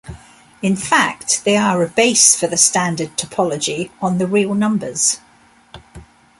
In fact they are a base for the standard topology on the real numbers.